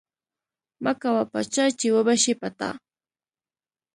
مکوه په چا چی وبه شی په تا